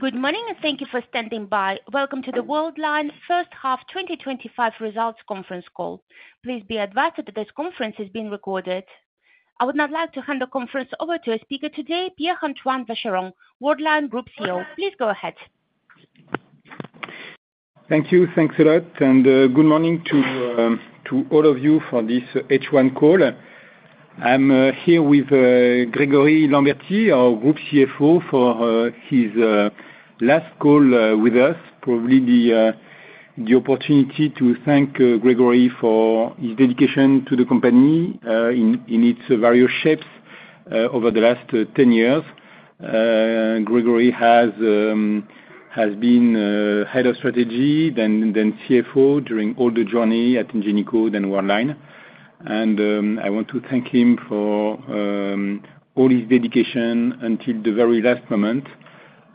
Good morning and thank you for standing by. Welcome to the Worldline first half 2025 results conference call. Please be advised that this conference is being recorded. I would now like to hand the conference over to our speaker today, Pierre-Antoine Vacheron, Worldline Group CEO. Please go ahead. Thank you. Thanks a lot. Good morning to all of you for this H1 call. I'm here with Grégory Lambertie, our Group CFO, for his last call with us. Probably the opportunity to thank Grégory for his dedication to the company in its various shapes over the last 10 years. Grégory has been Head of Strategy, then CFO during all the journey at Ingenico, then Worldline. I want to thank him for all his dedication until the very last moment.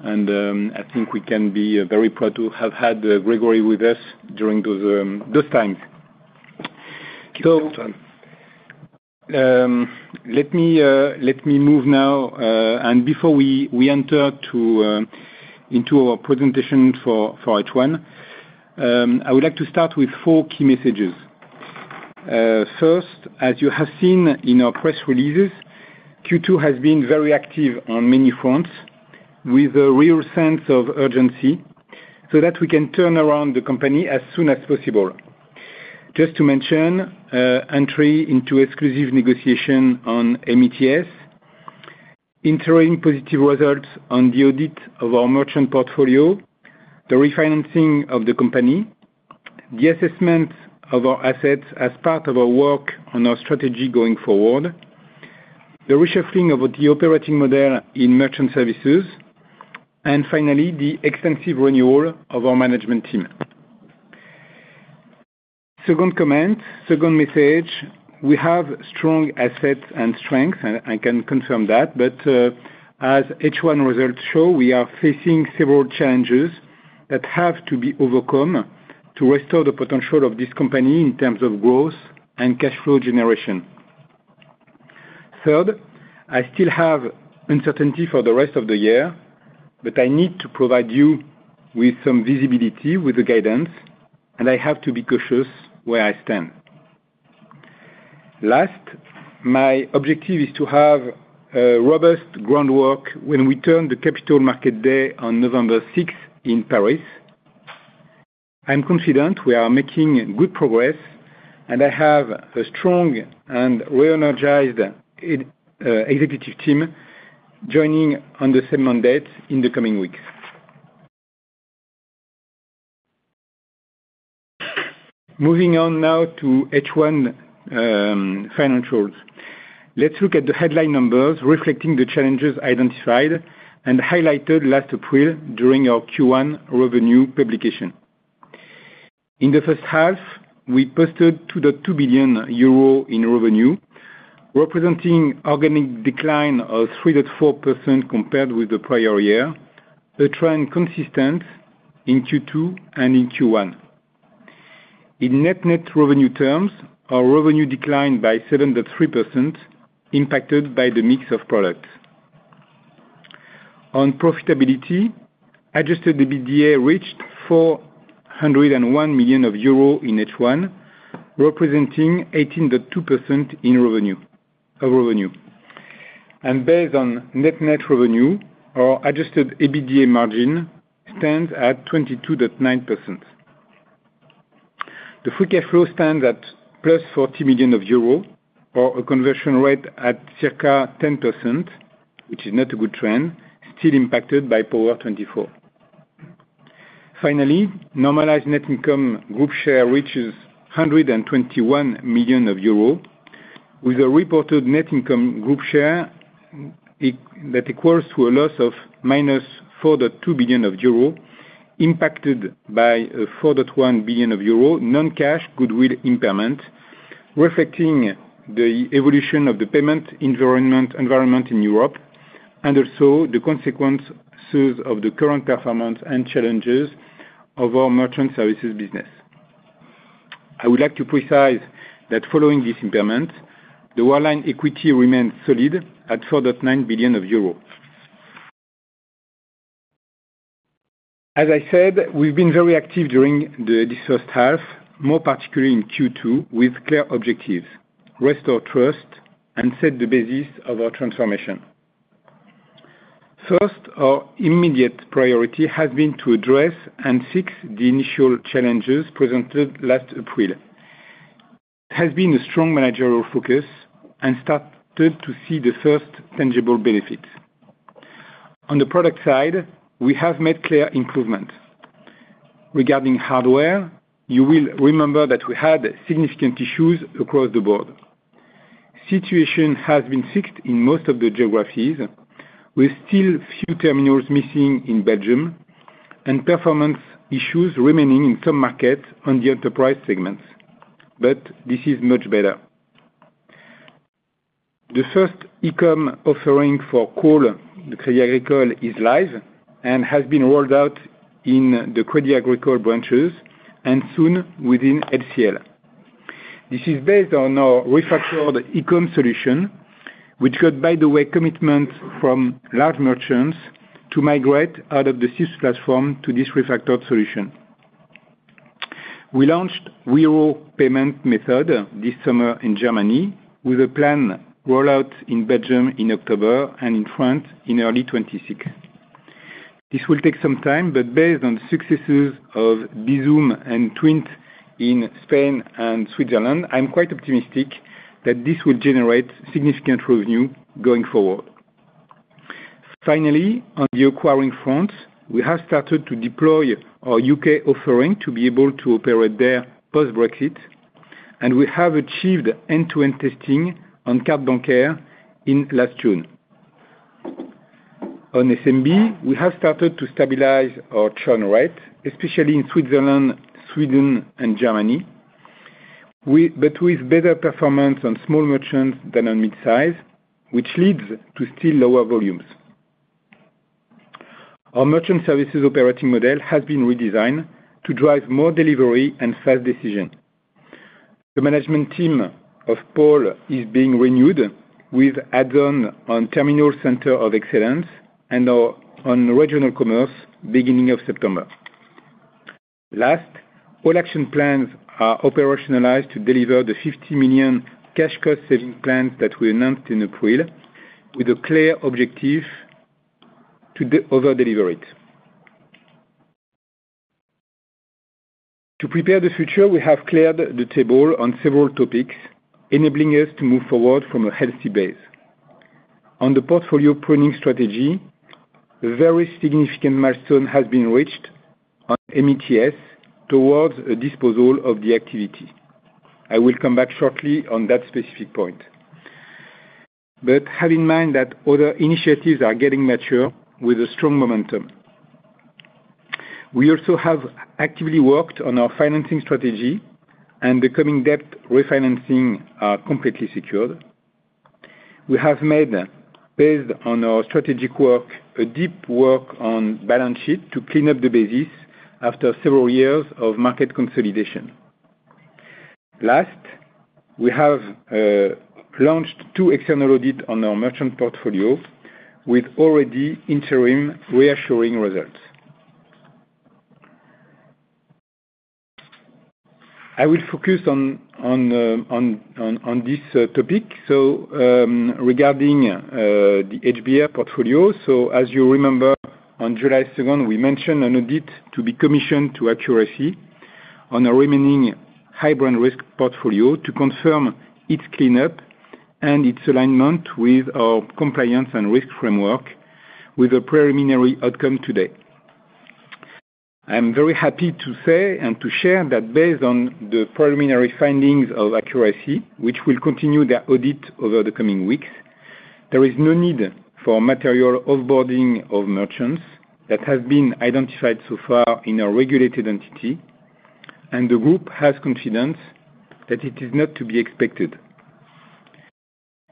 I think we can be very proud to have had Grégory with us during those times. Thank you, Antoine. Let me move now. Before we enter into our presentation for H1, I would like to start with four key messages. First, as you have seen in our press releases, Q2 has been very active on many fronts with a real sense of urgency so that we can turn around the company as soon as possible. Just to mention, entry into exclusive negotiation on METS, interim positive results on the audit of our merchant portfolio, the refinancing of the company, the assessment of our assets as part of our work on our strategy going forward, the reshuffling of the operating model in merchant services, and finally, the extensive renewal of our management team. Second comment, second message, we have strong assets and strengths. I can confirm that. As H1 results show, we are facing several challenges that have to be overcome to restore the potential of this company in terms of growth and cash flow generation. Third, I still have uncertainty for the rest of the year, but I need to provide you with some visibility with the guidance, and I have to be cautious where I stand. Last, my objective is to have a robust groundwork when we turn the Capital Market Day on November 6th in Paris. I'm confident we are making good progress, and I have a strong and re-energized executive team joining on the same mandate in the coming weeks. Moving on now to H1 financials, let's look at the headline numbers reflecting the challenges identified and highlighted last April during our Q1 revenue publication. In the first half, we posted 2.2 billion euro in revenue, representing an organic decline of 3.4% compared with the prior year, a trend consistent in Q2 and in Q1. In net revenue terms, our revenue declined by 7.3%, impacted by the mix of products. On profitability, adjusted EBITDA reached 401 million euro in H1, representing 18.2% in revenue. Based on net revenue, our adjusted EBITDA margin stands at 22.9%. The free cash flow stands at plus 40 million euro, or a conversion rate at circa 10%, which is not a good trend, still impacted by Power24. Finally, normalized net income group share reaches 121 million euros, with a reported net income group share that equals a loss of minus 4.2 billion euro, impacted by a 4.1 billion euro non-cash goodwill impairment, reflecting the evolution of the payment environment in Europe and also the consequences of the current performance and challenges of our merchant services business. I would like to precise that following this impairment, the Worldline equity remains solid at 4.9 billion euros. As I said, we've been very active during this first half, more particularly in Q2, with clear objectives, restore trust, and set the basis of our transformation. First, our immediate priority has been to address and fix the initial challenges presented last April. It has been a strong managerial focus and started to see the first tangible benefits. On the product side, we have made clear improvements. Regarding hardware, you will remember that we had significant issues across the board. The situation has been fixed in most of the geographies, with still a few terminals missing in Belgium and performance issues remaining in some markets on the enterprise segments. This is much better. The first e-commerce offering for Crédit Agricole is live and has been rolled out in the Crédit Agricole branches and soon within LCL. This is based on our refactored e-commerce solution, which got, by the way, commitment from large merchants to migrate out of the SIBS platform to this refactored solution. We launched Wero payment method this summer in Germany with a planned rollout in Belgium in October and in France in early 2026. This will take some time, but based on the successes of Bizum and Twint in Spain and Switzerland, I'm quite optimistic that this will generate significant revenue going forward. Finally, on the acquiring fronts, we have started to deploy our UK offering to be able to operate there post-Brexit, and we have achieved end-to-end testing on Carte Bancaire in last June. On SMB, we have started to stabilize our churn rate, especially in Switzerland, Sweden, and Germany, with better performance on small merchants than on mid-size, which leads to still lower volumes. Our Merchant Services operating model has been redesigned to drive more delivery and fast decision. The management team of Paul is being renewed with add-ons on Terminal Center of Excellence and on Regional Commerce beginning of September. Last, all action plans are operationalized to deliver the 50 million cash cut savings plans that we announced in April with a clear objective to overdeliver it. To prepare the future, we have cleared the table on several topics, enabling us to move forward from a healthy base. On the portfolio pruning strategy, a very significant milestone has been reached on METS towards a disposal of the activity. I will come back shortly on that specific point. Have in mind that other initiatives are getting mature with a strong momentum. We also have actively worked on our financing strategy, and the coming debt refinancing is completely secured. We have made, based on our strategic work, a deep work on balance sheet to clean up the basis after several years of market consolidation. Last, we have launched two external audits on our merchant portfolio with already interim reassuring results. I will focus on this topic. Regarding the HBR portfolio, as you remember, on July 2, we mentioned an audit to be commissioned to Accuracy on our remaining high-brand risk portfolio to confirm its cleanup and its alignment with our compliance and risk framework with a preliminary outcome today. I am very happy to say and to share that based on the preliminary findings of Accuracy, which will continue their audit over the coming weeks, there is no need for material offboarding of merchants that have been identified so far in a regulated entity, and the group has confidence that it is not to be expected.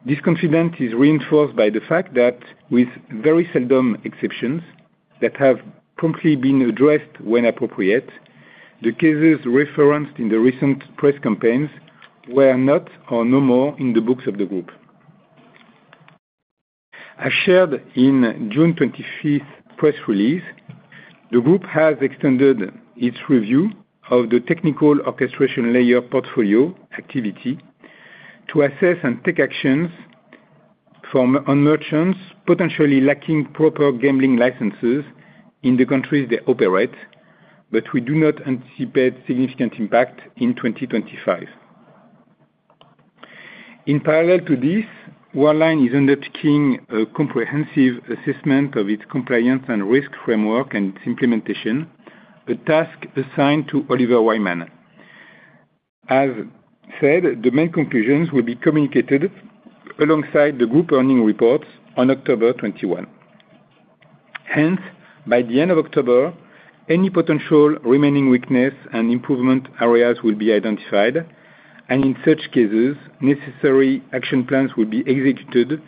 This confidence is reinforced by the fact that with very seldom exceptions that have promptly been addressed when appropriate, the cases referenced in the recent press campaigns were not or no more in the books of the group. As shared in June 23 press release, the group has extended its review of the technical orchestration layer portfolio activity to assess and take actions from merchants potentially lacking proper gambling licenses in the countries they operate, but we do not anticipate significant impact in 2025. In parallel to this, Worldline is undertaking a comprehensive assessment of its compliance and risk framework and its implementation, a task assigned to Oliver Wyman. As said, the main conclusions will be communicated alongside the group earning reports on October 21. By the end of October, any potential remaining weakness and improvement areas will be identified, and in such cases, necessary action plans will be executed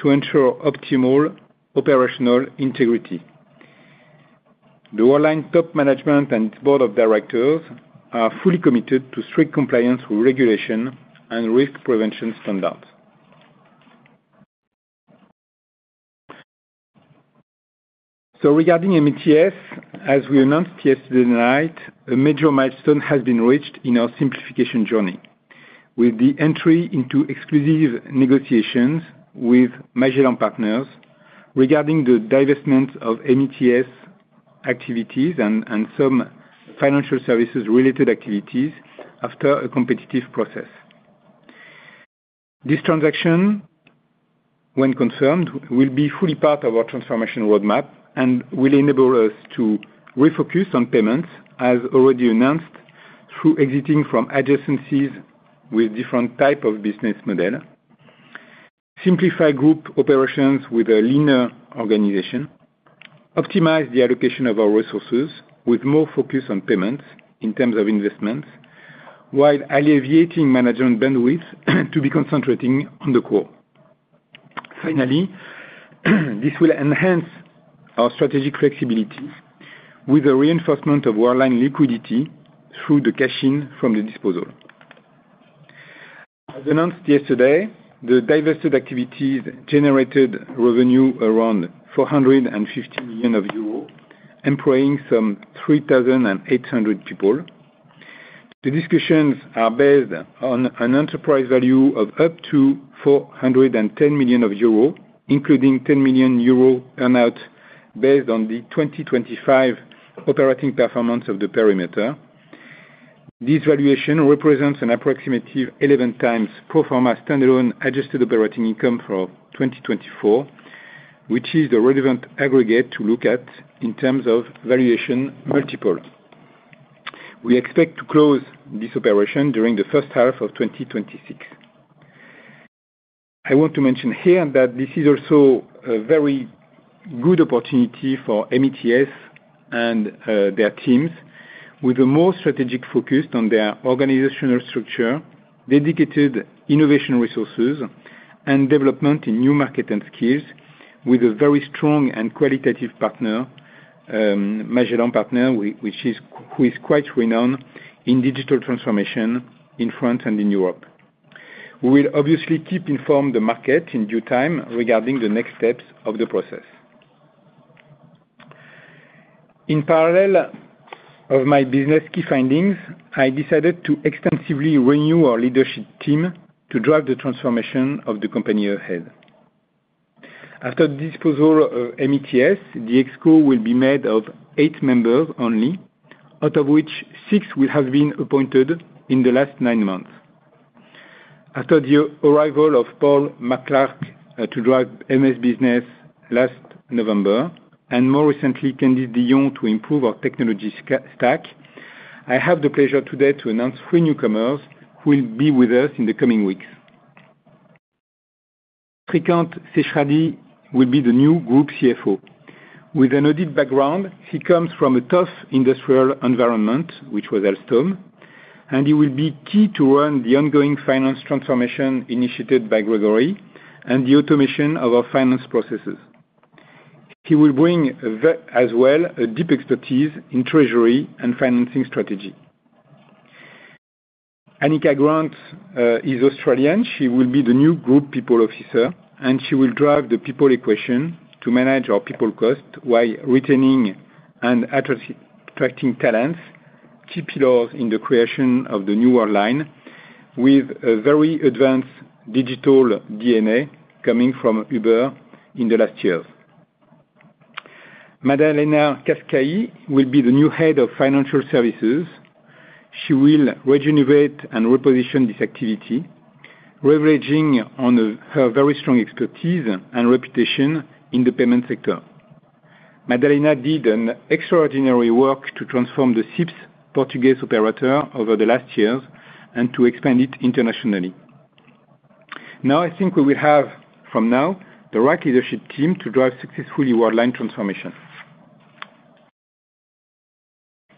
to ensure optimal operational integrity. The Worldline top management and its board of directors are fully committed to strict compliance with regulation and risk prevention standards. Regarding METS, as we announced yesterday night, a major milestone has been reached in our simplification journey with the entry into exclusive negotiations with Magellan Partners regarding the divestment of METS activities and some financial services-related activities after a competitive process. This transaction, when confirmed, will be fully part of our transformation roadmap and will enable us to refocus on payments, as already announced, through exiting from adjacencies with different types of business models, simplify group operations with a leaner organization, optimize the allocation of our resources with more focus on payments in terms of investments, while alleviating management bandwidth to be concentrating on the core. Finally, this will enhance our strategic flexibility with a reinforcement of Worldline liquidity through the cashing from the disposal. As announced yesterday, the divested activities generated revenue around 450 million euros, employing some 3,800 people. The discussions are based on an enterprise value of up to 410 million euro, including 10 million euro earnout based on the 2025 operating performance of the perimeter. This valuation represents an approximative 11 times pro forma standalone adjusted operating income for 2024, which is the relevant aggregate to look at in terms of valuation multiples. We expect to close this operation during the first half of 2026. I want to mention here that this is also a very good opportunity for METS and their teams with a more strategic focus on their organizational structure, dedicated innovation resources, and development in new markets and skills with a very strong and qualitative partner, Magellan Partners, who is quite renowned in digital transformation in France and in Europe. We will obviously keep informed the market in due time regarding the next steps of the process. In parallel of my business key findings, I decided to extensively renew our leadership team to drive the transformation of the company ahead. After the disposal of METS, the DXCo will be made of eight members only, out of which six will have been appointed in the last nine months. After the arrival of Paul McClurkin to drive MS Business last November, and more recently, Candide Dion to improve our technology stack, I have the pleasure today to announce three newcomers who will be with us in the coming weeks. Frigant Sejradi will be the new Group CFO. With an audit background, he comes from a tough industrial environment, which was Alstom, and he will be key to run the ongoing finance transformation initiated by Grégory and the automation of our finance processes. He will bring as well a deep expertise in treasury and financing strategy. Anika Grant is Australian. She will be the new Group People Officer, and she will drive the people equation to manage our people costs while retaining and attracting talents, key pillars in the creation of the new Worldline, with a very advanced digital DNA coming from Uber in the last years. Madalena Cascais will be the new Head of Financial Services. She will regenerate and reposition this activity, leveraging on her very strong expertise and reputation in the payment sector. Madalena did an extraordinary work to transform the SIBS Portuguese operator over the last years and to expand it internationally. Now, I think we will have, from now, the right leadership team to drive successfully Worldline transformation.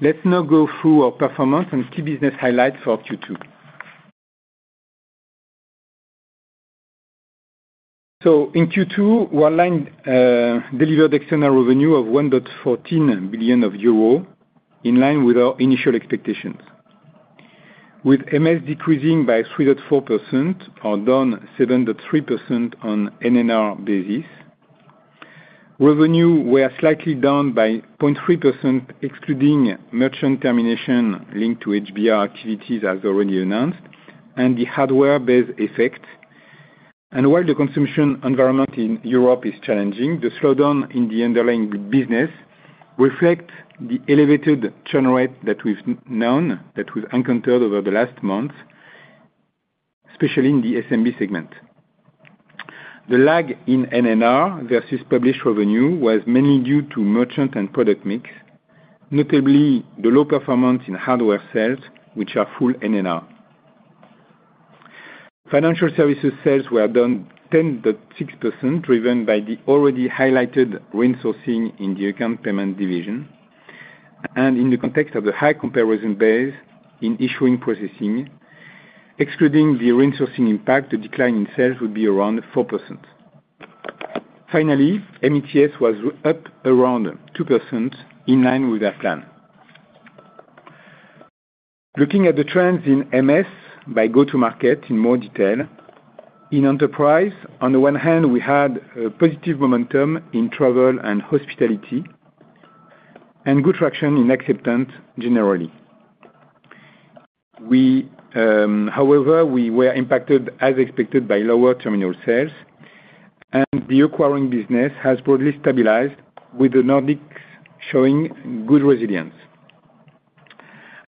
Let's now go through our performance and key business highlights for Q2. In Q2, Worldline delivered external revenue of 1.14 billion euro in line with our initial expectations. With MS decreasing by 3.4% or down 7.3% on NNR basis, revenue were slightly down by 0.3%, excluding merchant termination linked to HBR activities, as already announced, and the hardware-based effects. While the consumption environment in Europe is challenging, the slowdown in the underlying business reflects the elevated churn rate that we've known that we've encountered over the last month, especially in the SMB segment. The lag in NNR versus published revenue was mainly due to merchant and product mix, notably the low performance in hardware sales, which are full NNR. Financial services sales were down 10.6%, driven by the already highlighted reinsourcing in the account payment division. In the context of the high comparison base in issuing processing, excluding the reinsourcing impact, the decline in sales would be around 4%. Finally, METS was up around 2% in line with that plan. Looking at the trends in MS by go-to-market in more detail, in enterprise, on the one hand, we had a positive momentum in travel and hospitality and good traction in acceptance generally. However, we were impacted, as expected, by lower terminal sales, and the acquiring business has broadly stabilized with the Nordics showing good resilience.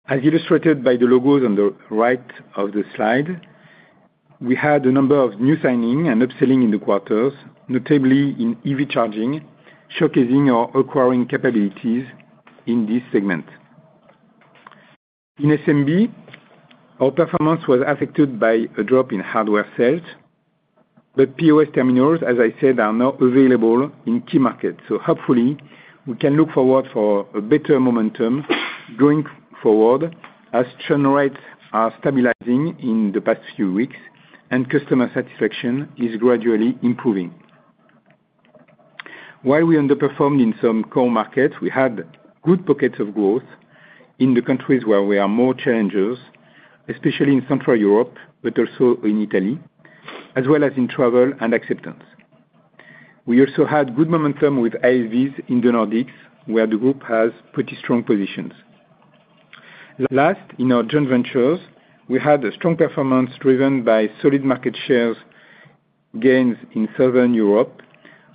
As illustrated by the logos on the right of the slide, we had a number of new signings and upselling in the quarters, notably in EV charging, showcasing our acquiring capabilities in this segment. In SMB, our performance was affected by a drop in hardware sales, but POS terminals, as I said, are now available in key markets. Hopefully, we can look forward to a better momentum going forward as churn rates are stabilizing in the past few weeks and customer satisfaction is gradually improving. While we underperformed in some core markets, we had good pockets of growth in the countries where we are more challengers, especially in Central Europe, but also in Italy, as well as in travel and acceptance. We also had good momentum with ILVs in the Nordics, where the group has pretty strong positions. Last, in our joint ventures, we had a strong performance driven by solid market share gains in Southern Europe,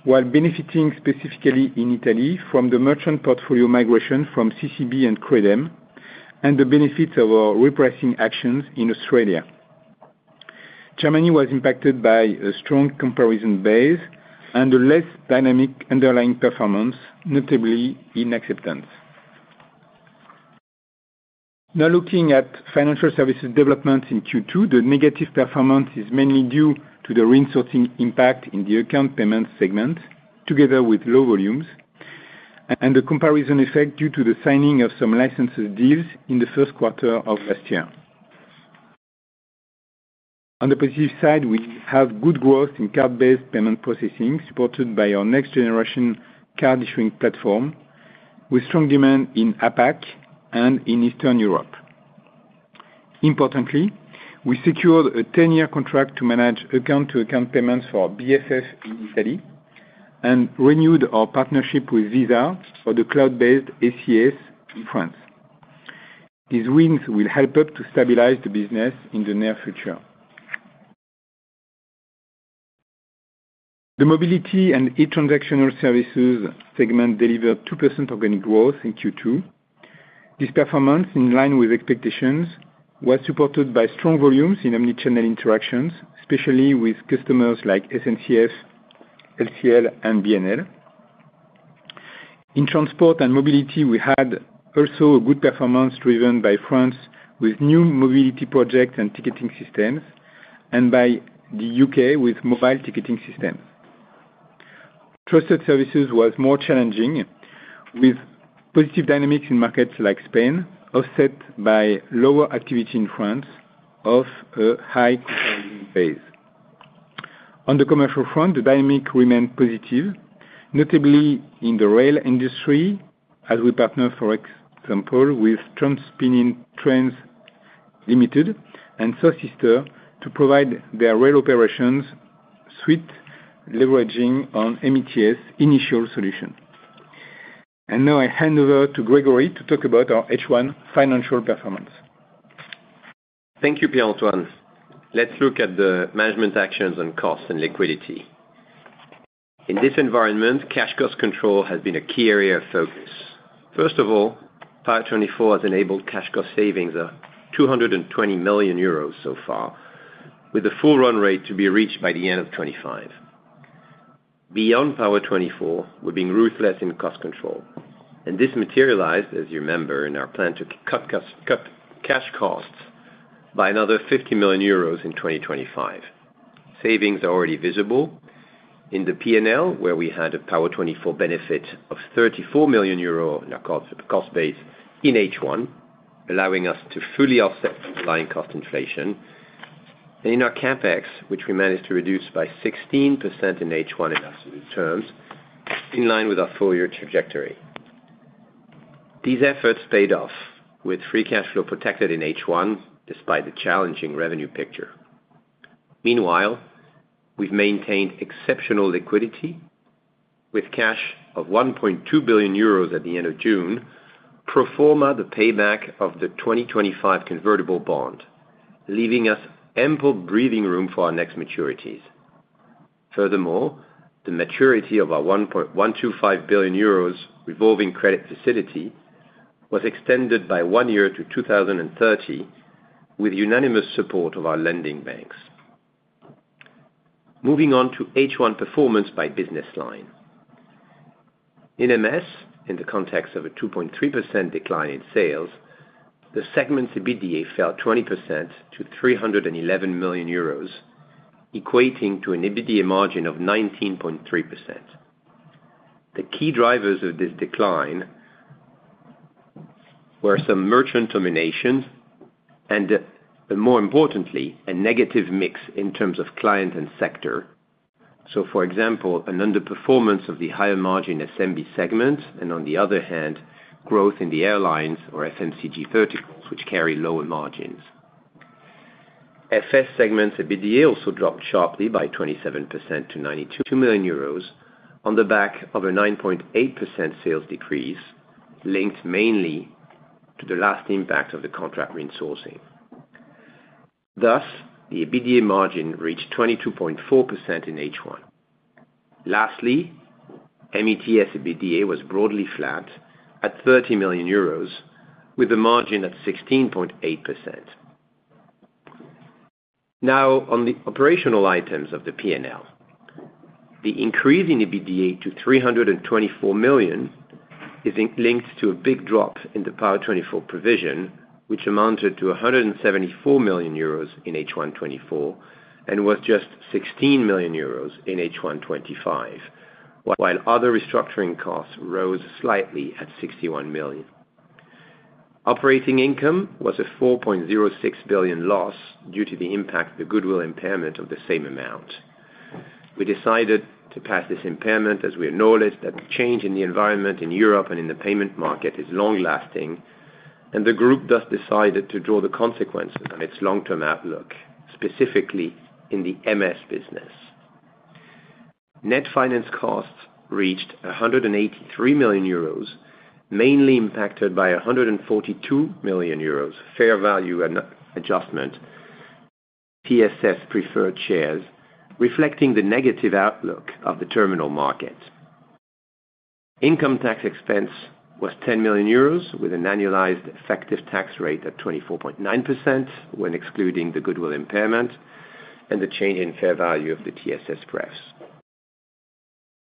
while benefiting specifically in Italy from the merchant portfolio migration from CCB and Credem and the benefits of our repricing actions in Australia. Germany was impacted by a strong comparison base and a less dynamic underlying performance, notably in acceptance. Now, looking at financial services developments in Q2, the negative performance is mainly due to the reinsourcing impact in the account payment segment, together with low volumes and the comparison effect due to the signing of some licenses deals in the first quarter of last year. On the positive side, we have good growth in card-based payment processing supported by our next-generation card issuing platform, with strong demand in APAC and in Eastern Europe. Importantly, we secured a 10-year contract to manage account-to-account payments for BFF in Italy and renewed our partnership with Visa for the cloud-based ACS in France. These wins will help us to stabilize the business in the near future. The mobility and e-transactional services segment delivered 2% organic growth in Q2. This performance, in line with expectations, was supported by strong volumes in omnichannel interactions, especially with customers like SNCF, LCL, and BNL. In transport and mobility, we had also a good performance driven by France with new mobility projects and ticketing systems, and by the UK with mobile ticketing systems. Trusted services was more challenging, with positive dynamics in markets like Spain, offset by lower activity in France of a high consolidation phase. On the commercial front, the dynamic remained positive, notably in the rail industry, as we partnered, for example, with TransPennine Trains Limited and Source System to provide their rail operations suite, leveraging on METS initial solution. I hand over to Grégory to talk about our H1 financial performance. Thank you, Pierre-Antoine. Let's look at the management actions on costs and liquidity. In this environment, cash cost control has been a key area of focus. First of all, Power24 has enabled cash cost savings of 220 million euros so far, with the full run rate to be reached by the end of 2025. Beyond Power24, we're being ruthless in cost control, and this materialized, as you remember, in our plan to cut cash costs by another 50 million euros in 2025. Savings are already visible in the P&L, where we had a Power24 benefit of 34 million euro in our cost base in H1, allowing us to fully offset line cost inflation. In our CapEx, which we managed to reduce by 16% in H1 in absolute terms, it's in line with our four-year trajectory. These efforts paid off, with free cash flow protected in H1 despite the challenging revenue picture. Meanwhile, we've maintained exceptional liquidity, with cash of 1.2 billion euros at the end of June pro forma the payback of the 2025 convertible bond, leaving us ample breathing room for our next maturities. Furthermore, the maturity of our 1.125 billion euros revolving credit facility was extended by one year to 2030, with unanimous support of our lending banks. Moving on to H1 performance by business line. In MS, in the context of a 2.3% decline in sales, the segment's EBITDA fell 20% to 311 million euros, equating to an EBITDA margin of 19.3%. The key drivers of this decline were some merchant dominations and, more importantly, a negative mix in terms of client and sector. For example, an underperformance of the higher margin SMB segment and, on the other hand, growth in the airlines or FMCG verticals, which carry lower margins. FS segment's EBITDA also dropped sharply by 27% to 92 million euros on the back of a 9.8% sales decrease linked mainly to the last impact of the contract reinsourcing. Thus, the EBITDA margin reached 22.4% in H1. Lastly, METS EBITDA was broadly flagged at 30 million euros, with a margin at 16.8%. Now, on the operational items of the P&L, the increase in EBITDA to 324 million is linked to a big drop in the Power24 provision, which amounted to 174 million euros in H1 2024 and was just 16 million euros in H1 2025, while other restructuring costs rose slightly at 61 million. Operating income was a 4.06 billion loss due to the impact of the goodwill impairment of the same amount. We decided to pass this impairment as we acknowledged that the change in the environment in Europe and in the payment market is long-lasting, and the group thus decided to draw the consequence on its long-term outlook, specifically in the MS business. Net finance costs reached 183 million euros, mainly impacted by 142 million euros fair value adjustment, TSF's preferred shares, reflecting the negative outlook of the terminal market. Income tax expense was 10 million euros, with an annualized effective tax rate at 24.9% when excluding the goodwill impairment and the change in fair value of the TSF's shares.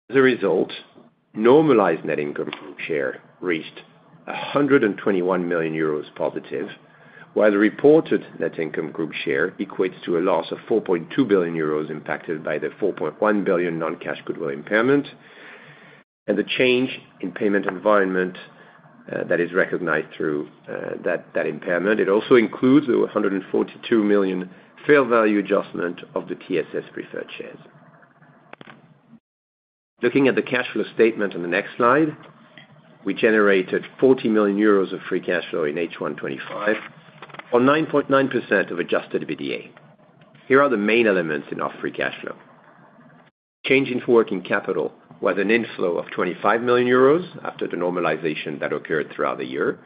As a result, normalized net income group share reached 121 million euros positive, while the reported net income group share equates to a loss of 4.2 billion euros impacted by the 4.1 billion non-cash goodwill impairment and the change in payment environment that is recognized through that impairment. It also includes the 142 million fair value adjustment of the TSF's preferred shares. Looking at the cash flow statement on the next slide, we generated 40 million euros of free cash flow in H1 2025 or 9.9% of adjusted EBITDA. Here are the main elements in our free cash flow. Change in forwarding capital was an inflow of 25 million euros after the normalization that occurred throughout the year.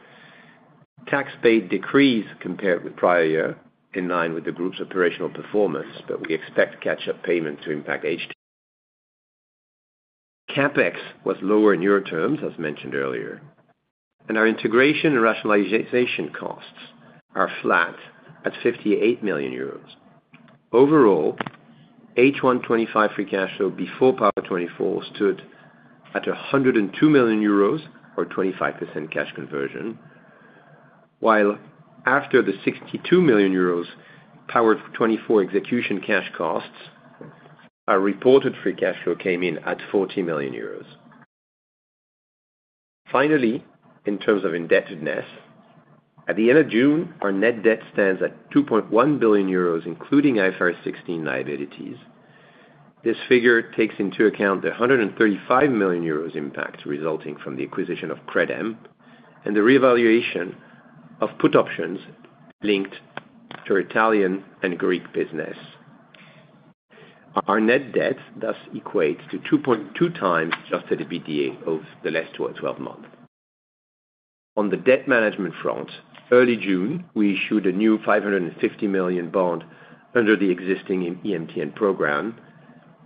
Tax paid decreased compared with prior year in line with the group's operational performance, but we expect catch-up payments to impact each. CapEx was lower in euro terms, as mentioned earlier, and our integration and rationalization costs are flat at 58 million euros. Overall, H1 2025 free cash flow before Power24 stood at 102 million euros or 25% cash conversion, while after the 62 million euros Power24 execution cash costs, our reported free cash flow came in at 40 million euros. Finally, in terms of indebtedness, at the end of June, our net debt stands at 2.1 billion euros, including IFRS 16 liabilities. This figure takes into account the 135 million euros impact resulting from the acquisition of Credem and the reevaluation of put options linked to our Italian and Greek business. Our net debt thus equates to 2.2 times adjusted EBITDA over the last 12 months. On the debt management front, early June, we issued a new 550 million bond under the existing EMTN program,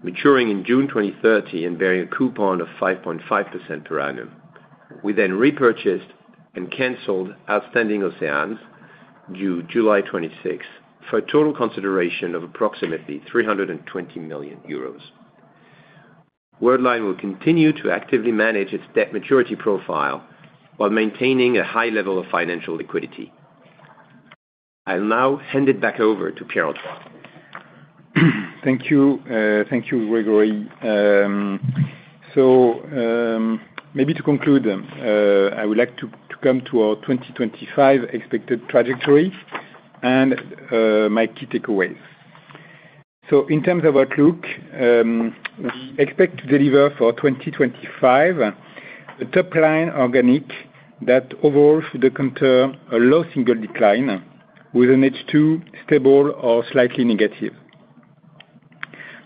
maturing in June 2030 and bearing a coupon of 5.5% per annum. We then repurchased and canceled outstanding OCMs due July 2026 for a total consideration of approximately 320 million euros. Worldline will continue to actively manage its debt maturity profile while maintaining a high level of financial liquidity. I'll now hand it back over to Pierre. Thank you, Grégory. Maybe to conclude, I would like to come to our 2025 expected trajectory and my key takeaways. In terms of outlook, we expect to deliver for 2025 a top-line organic that overall should encounter a low single-digit decline with an H2 stable or slightly negative.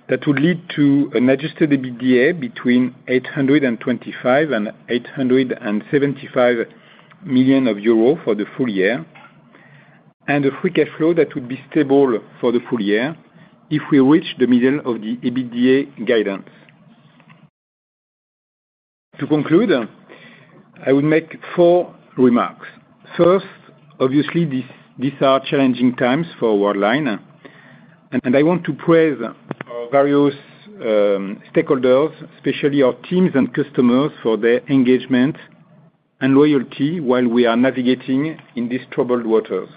That would lead to an adjusted EBITDA between 825 million and 875 million euro for the full year, and a free cash flow that would be stable for the full year if we reach the middle of the EBITDA guidance. To conclude, I would make four remarks. First, obviously, these are challenging times for Worldline, and I want to praise our various stakeholders, especially our teams and customers, for their engagement and loyalty while we are navigating in these troubled waters.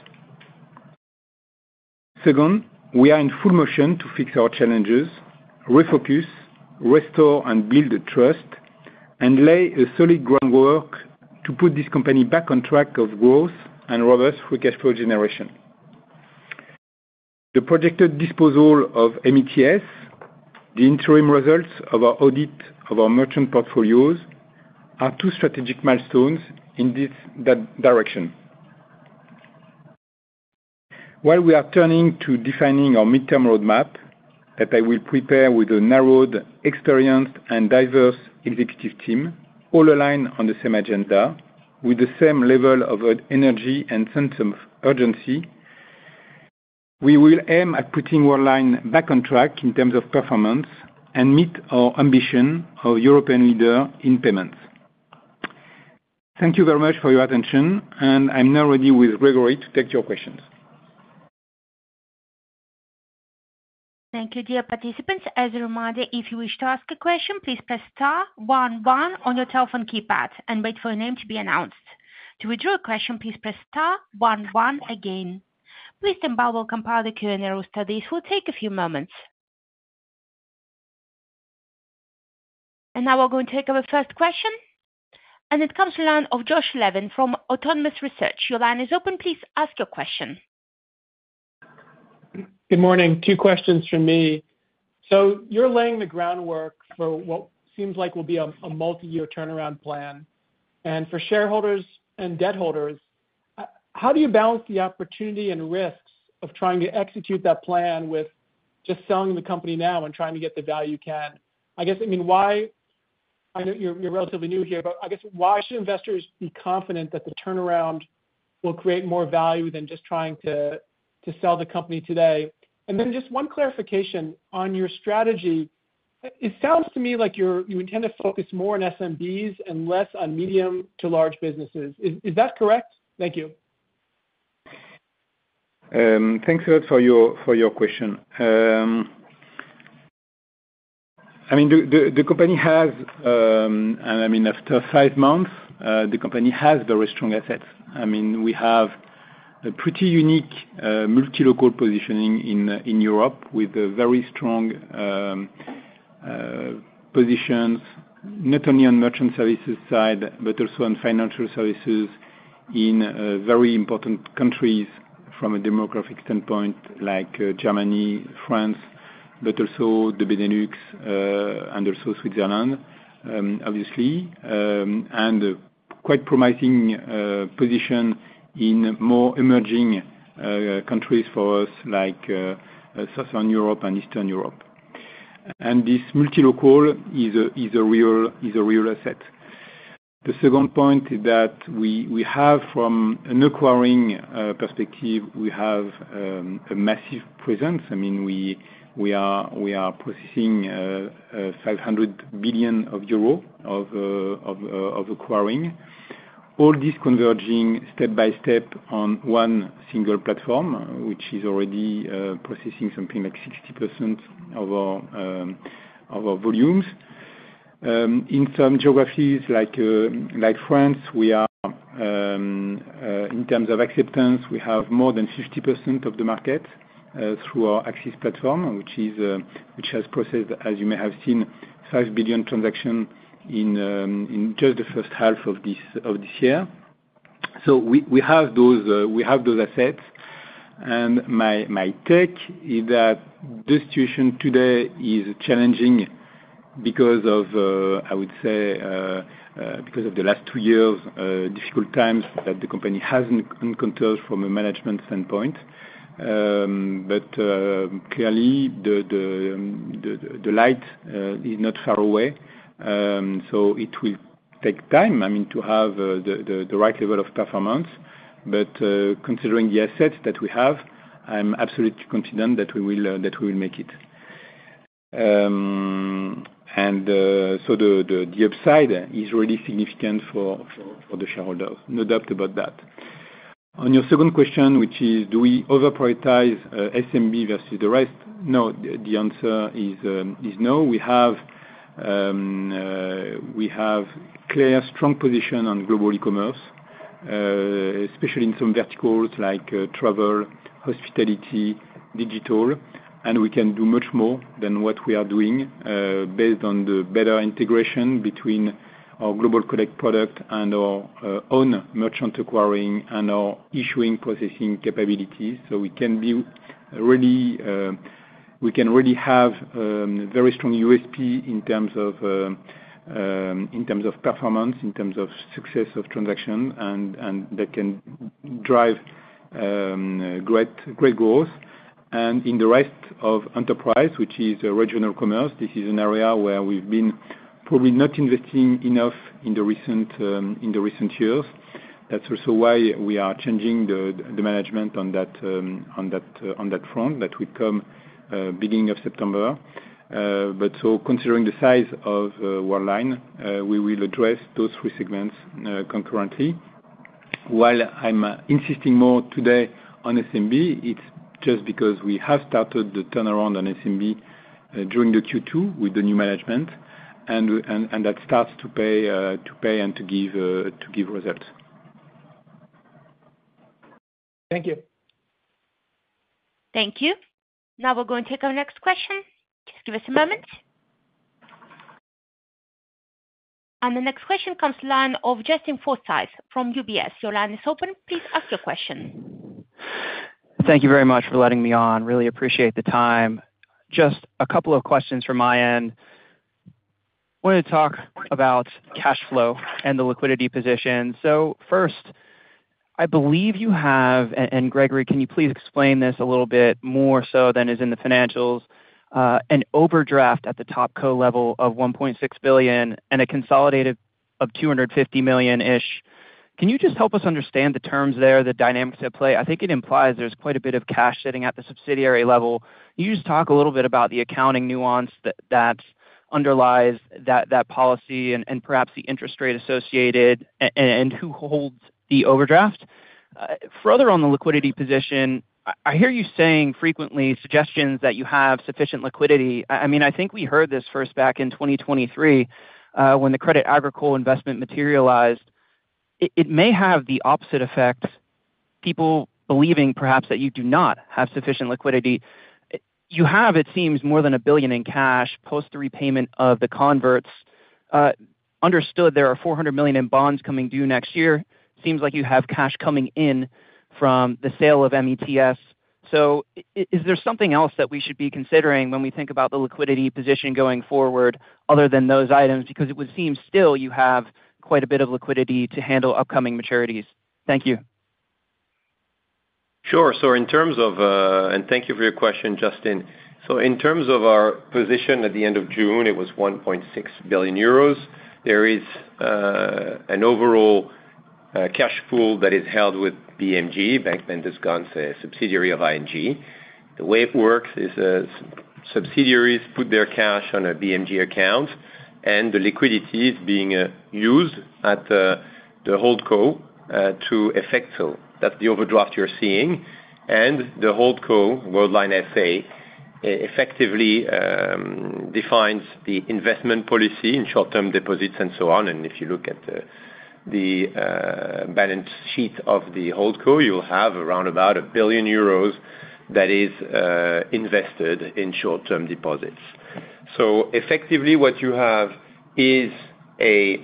Second, we are in full motion to fix our challenges, refocus, restore, and build trust, and lay a solid groundwork to put this company back on track of growth and robust free cash flow generation. The projected disposal of METS and the interim results of our audit of our merchant portfolio are two strategic milestones in this direction. While we are turning to defining our mid-term roadmap that I will prepare with a narrowed, experienced, and diverse executive team all aligned on the same agenda with the same level of energy and sense of urgency, we will aim at putting Worldline back on track in terms of performance and meet our ambition of a European leader in payments. Thank you very much for your attention, and I'm now ready with Grégory to take your questions. Thank you, dear participants. As a reminder, if you wish to ask a question, please press *11 on your telephone keypad and wait for your name to be announced. To withdraw a question, please press *11 again. Mr. Mbao will compile the Q&A room study. It will take a few moments. We are going to take our first question. It comes to the line of Josh Levin from Autonomous Research. Your line is open. Please ask your question. Good morning. Two questions from me. You're laying the groundwork for what seems like will be a multi-year turnaround plan. For shareholders and debt holders, how do you balance the opportunity and risks of trying to execute that plan with just selling the company now and trying to get the value you can? I guess, I mean, I know you're relatively new here, but I guess why should investors be confident that the turnaround will create more value than just trying to sell the company today? Just one clarification on your strategy. It sounds to me like you intend to focus more on SMBs and less on medium to large businesses. Is that correct? Thank you. Thanks a lot for your question. The company has, after five months, very strong assets. We have a pretty unique multilocal positioning in Europe with very strong positions, not only on the merchant services side, but also on financial services in very important countries from a demographic standpoint like Germany, France, but also the Benelux and Switzerland, obviously, and a quite promising position in more emerging countries for us like Southern Europe and Eastern Europe. This multilocal is a real asset. The second point is that we have, from an acquiring perspective, a massive presence. We are processing 500 billion euro of acquiring, all this converging step by step on one single platform, which is already processing something like 60% of our volumes. In some geographies like France, in terms of acceptance, we have more than 50% of the market through our AXIS platform, which has processed, as you may have seen, 5 billion transactions in just the first half of this year. We have those assets. My take is that the situation today is challenging because of, I would say, the last two years, difficult times that the company has encountered from a management standpoint. Clearly, the light is not far away. It will take time to have the right level of performance. Considering the assets that we have, I'm absolutely confident that we will make it. The upside is really significant for the shareholders, no doubt about that. On your second question, which is, do we overprioritize SMB versus the rest? No, the answer is no. We have a clear, strong position on global e-commerce, especially in some verticals like travel, hospitality, digital. We can do much more than what we are doing based on the better integration between our global collect product and our own merchant acquiring and our issuing processing capabilities. We can really have a very strong USP in terms of performance, in terms of success of transactions, and that can drive great growth. In the rest of enterprise, which is regional commerce, this is an area where we've been probably not investing enough in the recent years. That's also why we are changing the management on that front. That would come at the beginning of September. Considering the size of Worldline, we will address those three segments concurrently. While I'm insisting more today on SMB, it's just because we have started the turnaround on SMB during Q2 with the new management, and that starts to pay and to give results. Thank you. Thank you. Now we're going to take our next question. Just give us a moment. The next question comes to the line of Justin Forsythe from UBS. Your line is open. Please ask your question. Thank you very much for letting me on. Really appreciate the time. Just a couple of questions from my end. I wanted to talk about cash flow and the liquidity position. First, I believe you have, and Grégory, can you please explain this a little bit more so than is in the financials, an overdraft at the top co-level of 1.6 billion and a consolidated of 250 million-ish. Can you just help us understand the terms there, the dynamics at play? I think it implies there's quite a bit of cash sitting at the subsidiary level. Can you talk a little bit about the accounting nuance that underlies that policy and perhaps the interest rate associated and who holds the overdraft? Further on the liquidity position, I hear you saying frequently suggestions that you have sufficient liquidity. I think we heard this first back in 2023 when the Crédit Agricole investment materialized. It may have the opposite effect, people believing perhaps that you do not have sufficient liquidity. You have, it seems, more than 1 billion in cash post-repayment of the converts. Understood there are 400 million in bonds coming due next year. It seems like you have cash coming in from the sale of METS. Is there something else that we should be considering when we think about the liquidity position going forward other than those items? It would seem still you have quite a bit of liquidity to handle upcoming maturities. Thank you. Sure. In terms of, and thank you for your question, Justin. In terms of our position at the end of June, it was 1.6 billion euros. There is an overall cash pool that is held with BMG, Bank Mendez Gans, a subsidiary of ING. The way it works is subsidiaries put their cash on a BMG account, and the liquidity is being used at the hold co to effect sell. That's the overdraft you're seeing. The hold co, Worldline SA, effectively defines the investment policy in short-term deposits and so on. If you look at the balance sheet of the hold co, you'll have around 1 billion euros that is invested in short-term deposits. Effectively, what you have is a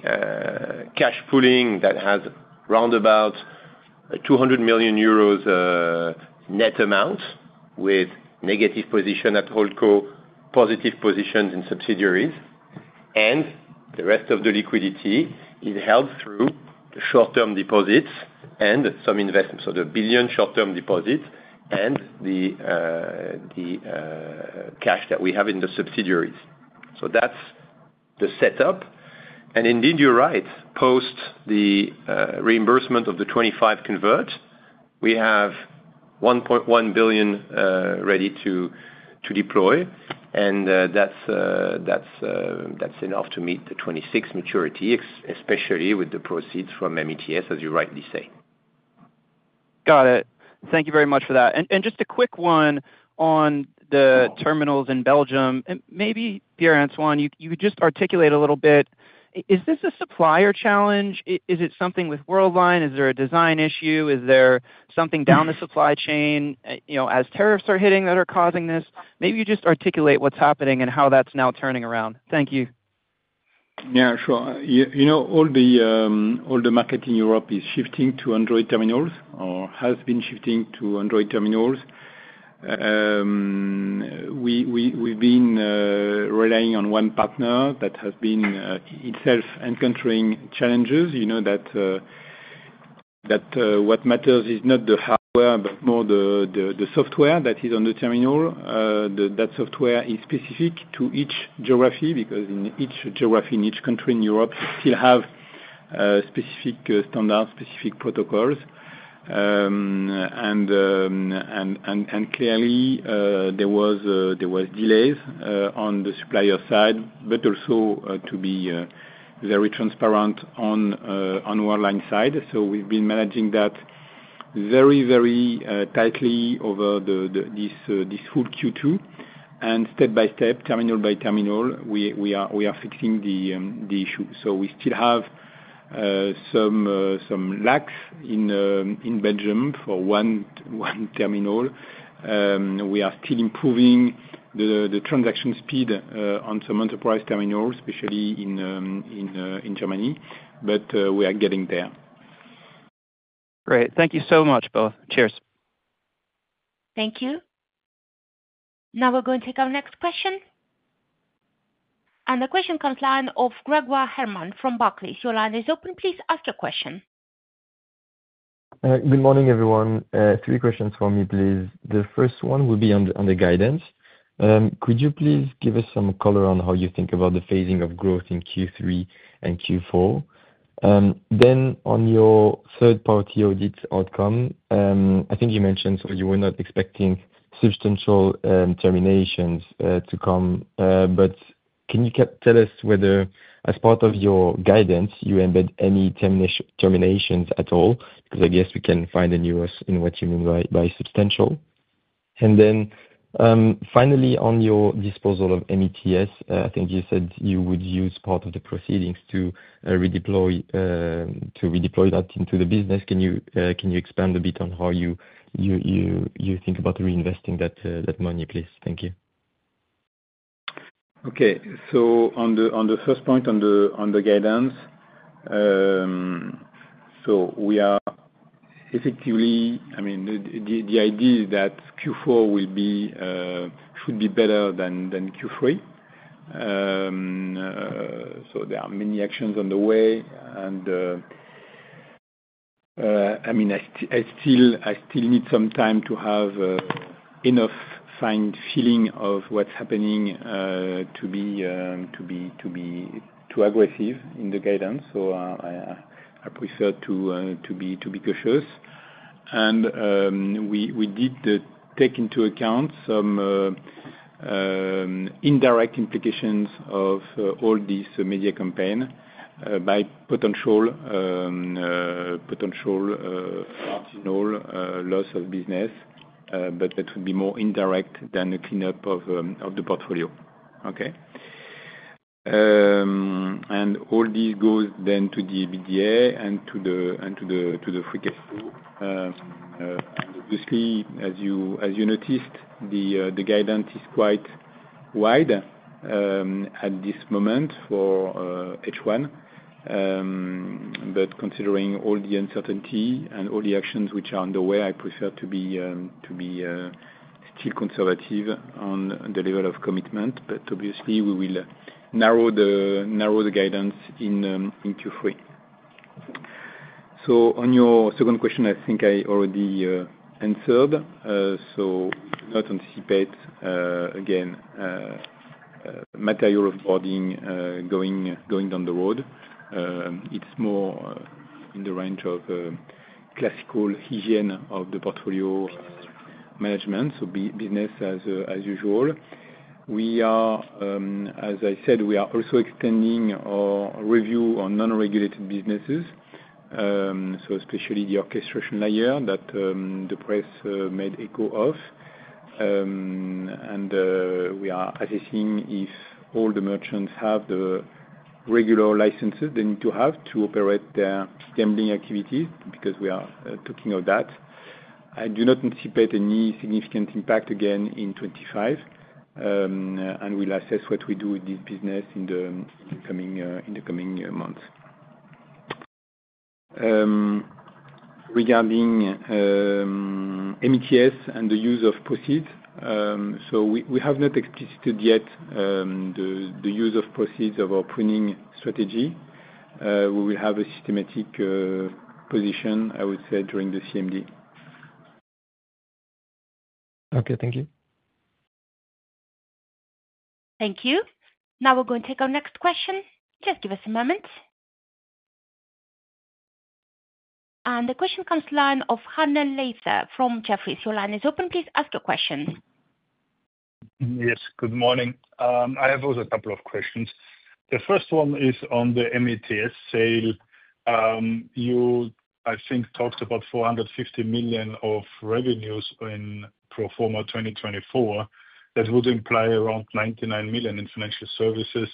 cash pooling that has around 200 million euros net amount with negative position at hold co, positive positions in subsidiaries. The rest of the liquidity is held through the short-term deposits and some investments, so the 1 billion short-term deposits and the cash that we have in the subsidiaries. That's the setup. Indeed, you're right. Post the reimbursement of the 2025 convert, we have 1.1 billion ready to deploy. That's enough to meet the 2026 maturity, especially with the proceeds from METS, as you rightly say. Got it. Thank you very much for that. Just a quick one on the terminals in Belgium. Maybe Pierre-Antoine, you could just articulate a little bit. Is this a supplier challenge? Is it something with Worldline? Is there a design issue? Is there something down the supply chain as tariffs are hitting that are causing this? Maybe you just articulate what's happening and how that's now turning around. Thank you. Yeah, sure. You know, all the market in Europe is shifting to Android terminals or has been shifting to Android terminals. We've been relying on one partner that has been itself encountering challenges. You know that what matters is not the hardware, but more the software that is on the terminal. That software is specific to each geography because in each geography, in each country in Europe, you still have specific standards, specific protocols. There were delays on the supplier side, but also to be very transparent on the Worldline side. We've been managing that very, very tightly over this full Q2. Step by step, terminal by terminal, we are fixing the issue. We still have some lacks in Belgium for one terminal. We are still improving the transaction speed on some enterprise terminals, especially in Germany. We are getting there. Great. Thank you so much, both. Cheers. Thank you. Now we're going to take our next question. The question comes to the line of Grégoire Herrmann from Barclays. Your line is open. Please ask your question. Good morning, everyone. Three questions for me, please. The first one will be under guidance. Could you please give us some color on how you think about the phasing of growth in Q3 and Q4? On your third-party audit outcome, I think you mentioned you were not expecting substantial terminations to come. Can you tell us whether, as part of your guidance, you embed any terminations at all? I guess we can find a nuance in what you mean by substantial. Finally, on your disposal of METS, I think you said you would use part of the proceedings to redeploy that into the business. Can you expand a bit on how you think about reinvesting that money, please? Thank you. Okay. On the first point on the guidance, we are effectively, I mean, the idea is that Q4 should be better than Q3. There are many actions on the way. I still need some time to have enough fine feeling of what's happening to be too aggressive in the guidance. I prefer to be cautious. We did take into account some indirect implications of all this media campaign by potential loss of business, but that would be more indirect than a cleanup of the portfolio. All this goes then to the EBITDA and to the free cash flow. Obviously, as you noticed, the guidance is quite wide at this moment for H1. Considering all the uncertainty and all the actions which are underway, I prefer to be still conservative on the level of commitment. Obviously, we will narrow the guidance in Q3. On your second question, I think I already answered. Do not anticipate, again, material offboarding going down the road. It's more in the range of classical hygiene of the portfolio management, so business as usual. As I said, we are also extending our review on non-regulated businesses, especially the orchestration layer that the press made echo of. We are assessing if all the merchants have the regular licenses they need to have to operate their stamping activities because we are talking of that. I do not anticipate any significant impact again in 2025. We'll assess what we do with this business in the coming months. Regarding METS and the use of proceeds, we have not explicited yet the use of proceeds of our pruning strategy. We will have a systematic position, I would say, during the CMD. Okay, thank you. Thank you. Now we're going to take our next question. Just give us a moment. The question comes to the line of Handel Leifa from Jefferies. Your line is open. Please ask your question. Yes. Good morning. I have also a couple of questions. The first one is on the METS sale. You, I think, talked about $450 million of revenues in pro forma 2024. That would imply around $99 million in financial services.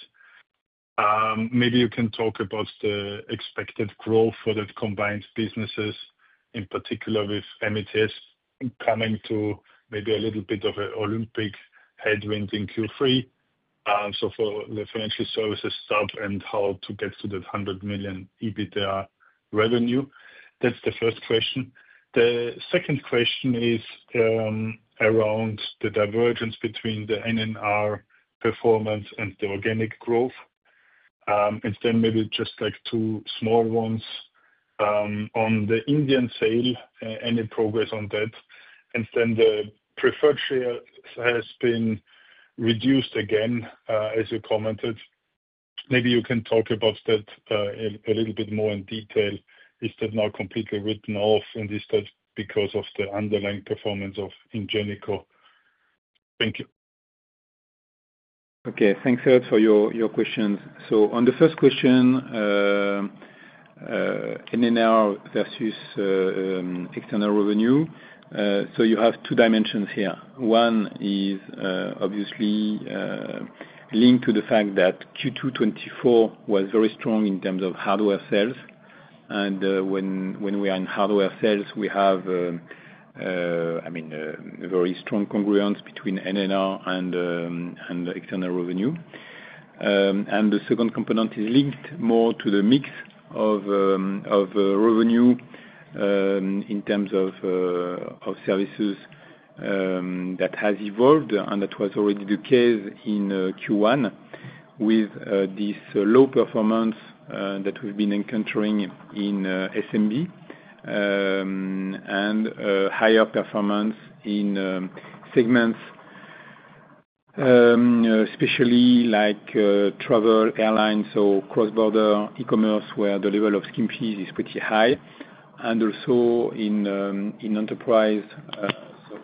Maybe you can talk about the expected growth for the combined businesses, in particular with METS coming to maybe a little bit of an Olympic headwind in Q3. For the financial services stuff and how to get to that $100 million EBITDA revenue, that's the first question. The second question is around the divergence between the NNR performance and the organic growth. Maybe just like two small ones. On the Indian sale, any progress on that? The preferred share has been reduced again, as you commented. Maybe you can talk about that a little bit more in detail. Is that now completely written off, and is that because of the underlying performance of Ingenico? Thank you. Okay. Thanks a lot for your questions. On the first question, NNR versus external revenue, you have two dimensions here. One is obviously linked to the fact that Q2 2024 was very strong in terms of hardware sales. When we are in hardware sales, we have a very strong congruence between NNR and the external revenue. The second component is linked more to the mix of revenue in terms of services that has evolved, and that was already the case in Q1 with this low performance that we've been encountering in SMB and higher performance in segments, especially like travel, airlines, or cross-border e-commerce where the level of skimpy is pretty high. Also in enterprise,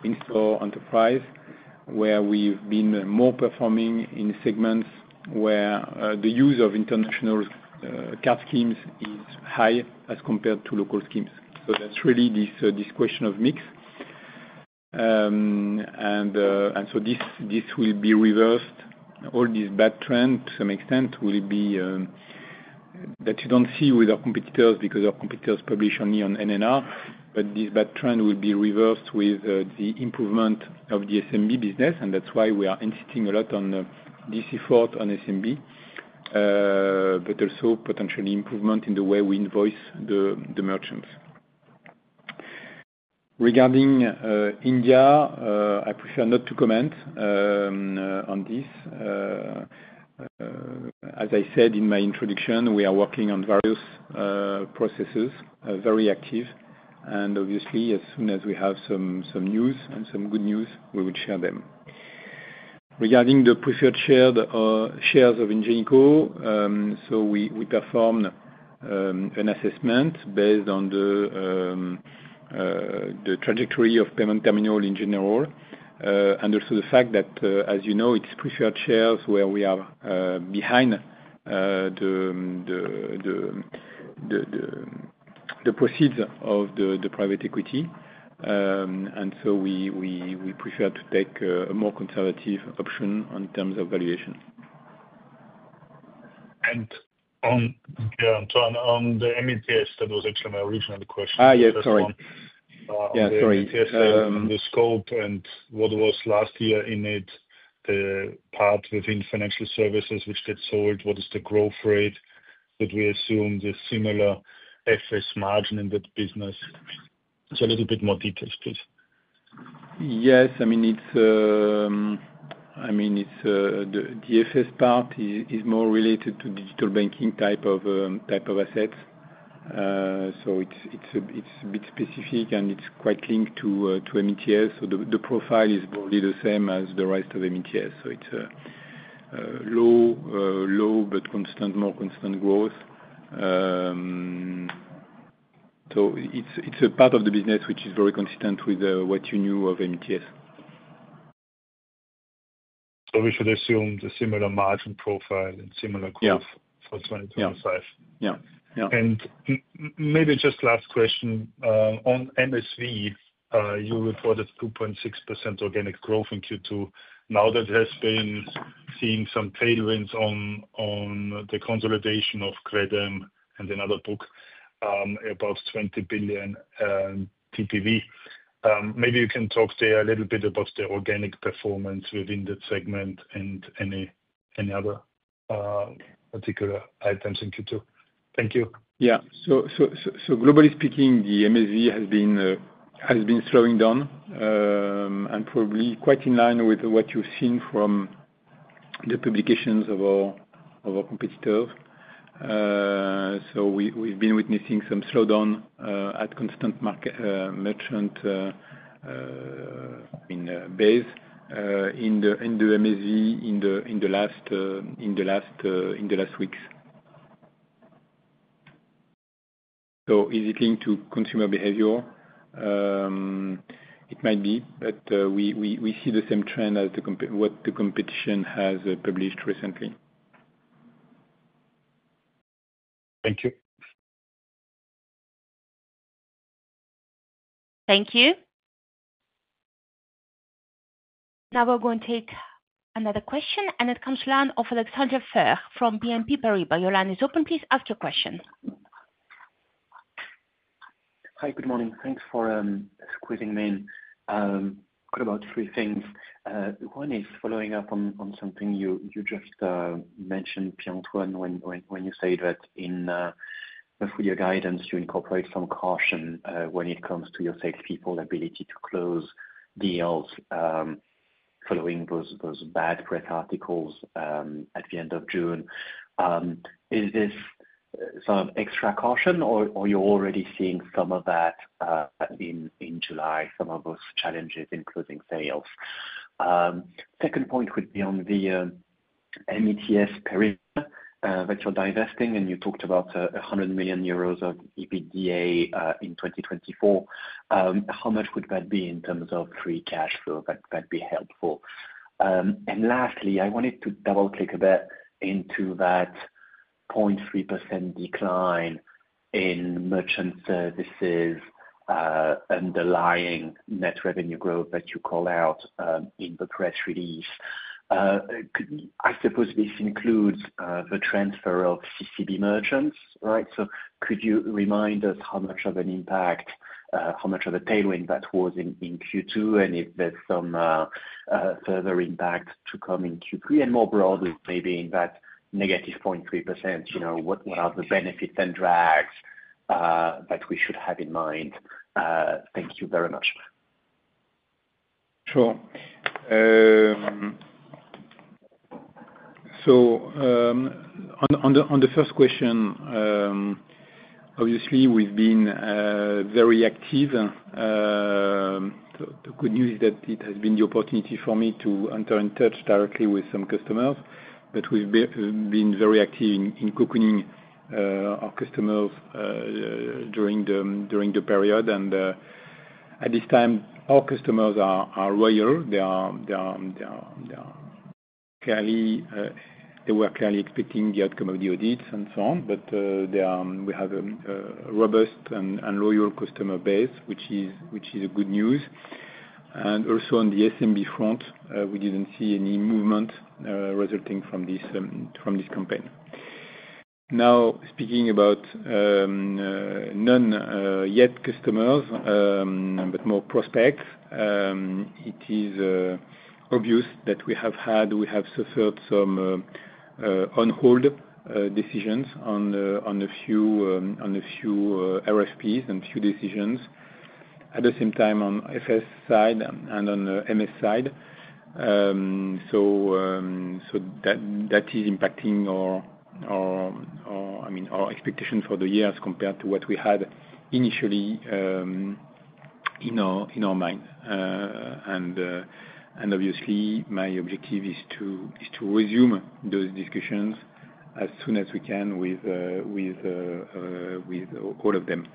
in-store enterprise, we've been more performing in segments where the use of international card schemes is high as compared to local schemes. That is really this question of mix. This will be reversed. All this bad trend, to some extent, will be that you don't see with our competitors because our competitors publish only on NNR. This bad trend will be reversed with the improvement of the SMB business. That is why we are insisting a lot on this effort on SMB, but also potentially improvement in the way we invoice the merchants. Regarding India, I prefer not to comment on this. As I said in my introduction, we are working on various processes, very active. Obviously, as soon as we have some news and some good news, we would share them. Regarding the preferred shares of Ingenico, we performed an assessment based on the trajectory of payment terminal in general. Also the fact that, as you know, it's preferred shares where we are behind the proceeds of the private equity. We prefer to take a more conservative option in terms of valuation. On the METS, that was actually my original question. yeah, sorry. Sorry. The scope and what was last year in it, the part within Financial Services, which they sold, what is the growth rate? Did we assume the similar FS margin in that business? Is there a little bit more detail, please? Yes. I mean, the FS part is more related to digital banking type of assets. It's a bit specific, and it's quite linked to METS. The profile is broadly the same as the rest of METS. It's a low, low, but more constant growth. It's a part of the business which is very consistent with what you knew of METS. We should assume the similar margin profile and similar growth for 2025. Yeah. Yeah. Maybe just last question. On MSV, you reported 2.6% organic growth in Q2. That has been seeing some tailwinds on the consolidation of Credem and another book, about 20 billion TPV. Maybe you can talk there a little bit about the organic performance within that segment and any other particular items in Q2. Thank you. Globally speaking, the MSV has been slowing down and probably quite in line with what you've seen from the publications of our competitors. We've been witnessing some slowdown at constant merchant base in the MSV in the last weeks. Is it linked to consumer behavior? It might be, but we see the same trend as what the competition has published recently. Thank you. Thank you. Now we're going to take another question, and it comes to the line of Alexander Fehr from BNP Paribas. Your line is open. Please ask your question. Hi. Good morning. Thanks for quizzing me in. I've got about three things. One is following up on something you just mentioned, Pierre-Antoine, when you say that in for your guidance, you incorporate some caution when it comes to your salespeople's ability to close deals following those bad press articles at the end of June. Is this some extra caution, or are you already seeing some of that in July, some of those challenges in closing sales? Second point would be on the METS period that you're divesting, and you talked about 100 million euros of EBITDA in 2024. How much would that be in terms of free cash flow? Would that be helpful? Lastly, I wanted to double-click a bit into that 0.3% decline in merchant services underlying net revenue growth that you call out in the press release. I suppose this includes the transfer of CCB merchants, right? Could you remind us how much of an impact, how much of a tailwind that was in Q2? If there's some further impact to come in Q3? More broadly, maybe in that negative 0.3%, you know what are the benefits and drags that we should have in mind? Thank you very much. Sure. On the first question, obviously, we've been very active. The good news is that it has been the opportunity for me to enter in touch directly with some customers. We've been very active in cocooning our customers during the period. At this time, our customers are loyal. They were clearly expecting the outcome of the audits and so on. We have a robust and loyal customer base, which is good news. Also, on the SMB front, we didn't see any movement resulting from this campaign. Now, speaking about not-yet customers, but more prospects, it is obvious that we have suffered some on-hold decisions on a few RFPs and a few decisions at the same time on the FS side and on the MS side. That is impacting our expectation for the year as compared to what we had initially in our mind. Obviously, my objective is to resume those discussions as soon as we can with all of them.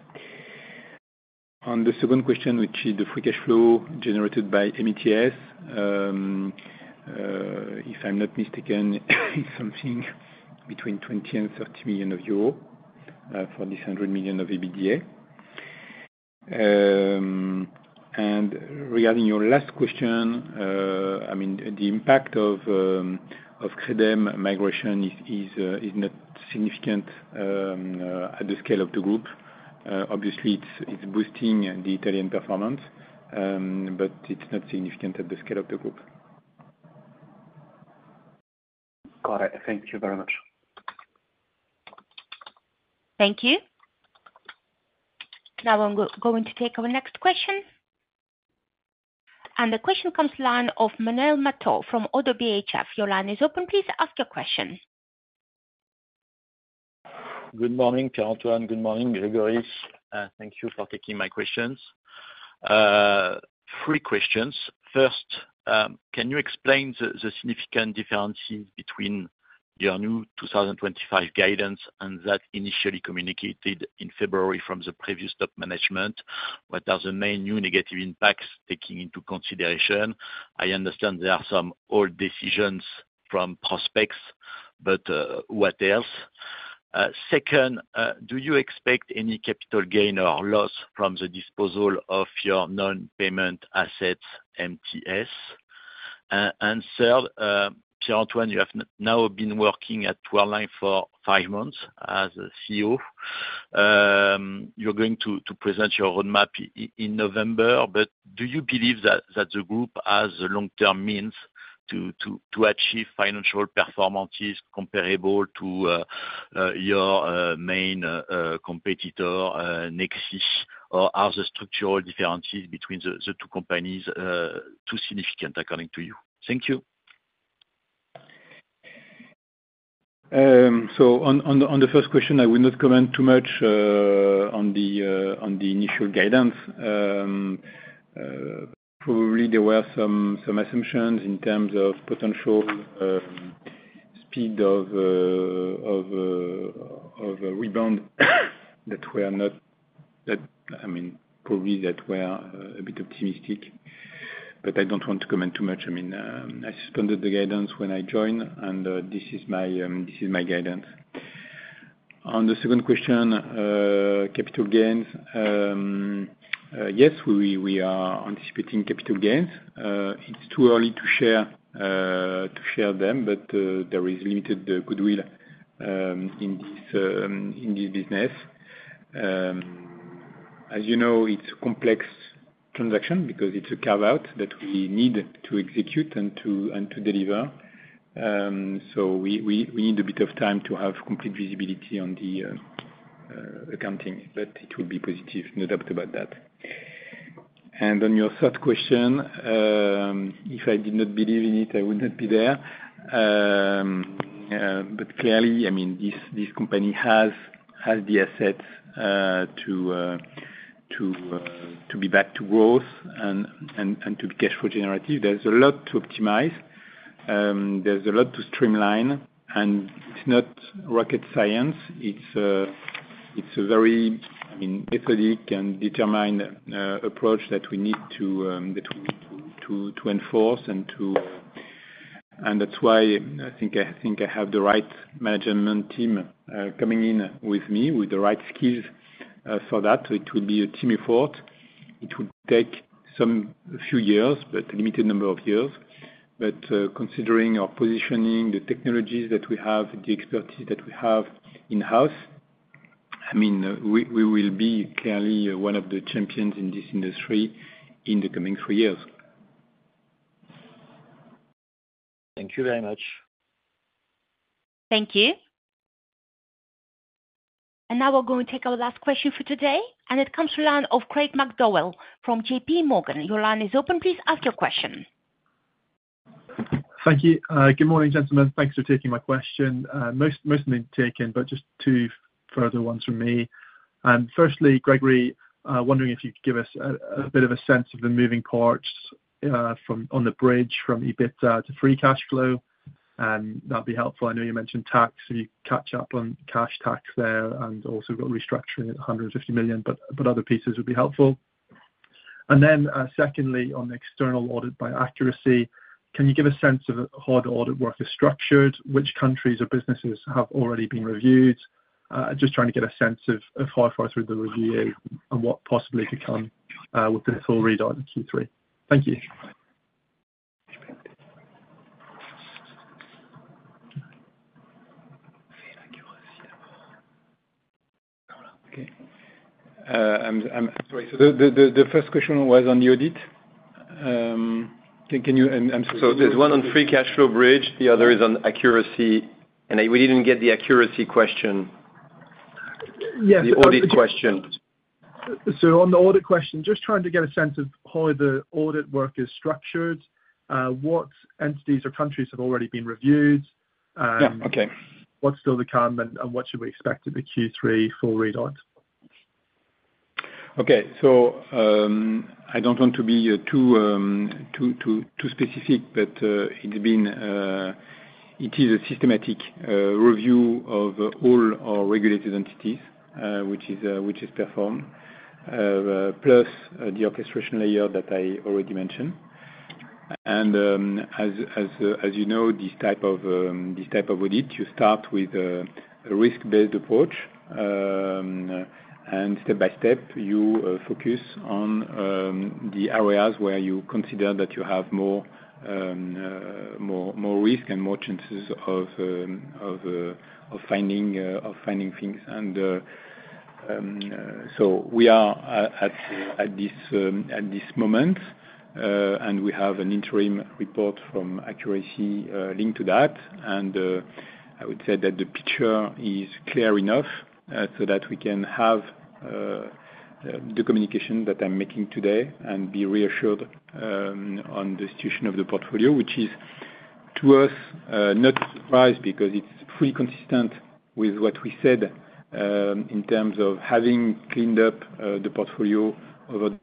On the second question, which is the free cash flow generated by METS, if I'm not mistaken, it's something between 20 million and 30 million euro for this 100 million of EBITDA. Regarding your last question, the impact of Credem migration is not significant at the scale of the group. It's boosting the Italian performance, but it's not significant at the scale of the group. Got it. Thank you very much. Thank you. Now we're going to take our next question. The question comes to the line of Manuel Mató from Oddo BHF. Your line is open. Please ask your question. Good morning, Pierre-Antoine. Good morning, Grégory. Thank you for taking my questions. Three questions. First, can you explain the significant differences between your new 2025 guidance and that initially communicated in February from the previous top management? What are the main new negative impacts taking into consideration? I understand there are some old decisions from prospects, but what else? Second, do you expect any capital gain or loss from the disposal of your non-payment assets, METS? Third, Pierre-Antoine, you have now been working at Worldline for five months as CEO. You're going to present your roadmap in November. Do you believe that the group has long-term means to achieve financial performances comparable to your main competitor, Nexi? Are the structural differences between the two companies too significant according to you? Thank you. On the first question, I would not comment too much on the initial guidance. Probably, there were some assumptions in terms of potential speed of rebound that were a bit optimistic. I don't want to comment too much. I suspended the guidance when I joined, and this is my guidance. On the second question, capital gains, yes, we are anticipating capital gains. It's too early to share them, but there is limited goodwill in this business. As you know, it's a complex transaction because it's a carve-out that we need to execute and to deliver. We need a bit of time to have complete visibility on the accounting. It would be positive, no doubt about that. On your third question, if I did not believe in it, I would not be there. Clearly, this company has the assets to be back to growth and to be cash flow generative. There's a lot to optimize. There's a lot to streamline. It's not rocket science. It's a very methodic and determined approach that we need to enforce. That's why I think I have the right management team coming in with me with the right skills for that. It will be a team effort. It will take a few years, but a limited number of years. Considering our positioning, the technologies that we have, the expertise that we have in-house, we will be clearly one of the champions in this industry in the coming three years. Thank you very much. Thank you. We are going to take our last question for today. It comes to the line of Craig McDowell from JP Morgan. Your line is open. Please ask your question. Thank you. Good morning, gentlemen. Thanks for taking my question. Mostly taken, but just two further ones from me. Firstly, Grégory, wondering if you could give us a bit of a sense of the moving parts from on the bridge from EBITDA to free cash flow. That'd be helpful. I know you mentioned tax, so you catch up on cash tax there. Also, we've got restructuring at $150 million, but other pieces would be helpful. Secondly, on the external audit by Accuracy, can you give a sense of how the audit work is structured? Which countries or businesses have already been reviewed? Just trying to get a sense of how far through the review is and what possibly could come with the full readout in Q3. Thank you. I'm sorry. The first question was on the audit. There's one on free cash flow bridge. The other is on Accuracy. We didn't get the Accuracy question. Yes, on the audit question, just trying to get a sense of how the audit work is structured, what entities or countries have already been reviewed, what's still to come, and what should we expect in the Q3 full readout? Okay. I don't want to be too specific, but it is a systematic review of all our regulated entities, which is performed, plus the orchestration layer that I already mentioned. As you know, this type of audit, you start with a risk-based approach. Step by step, you focus on the areas where you consider that you have more risk and more chances of finding things. We are at this moment, and we have an interim report from Accuracy linked to that. I would say that the picture is clear enough so that we can have the communication that I'm making today and be reassured on the situation of the portfolio, which is to us not a surprise because it's fully consistent with what we said in terms of having cleaned up the portfolio over.